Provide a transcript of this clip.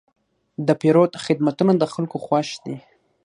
د پیرود خدمتونه د خلکو خوښ دي.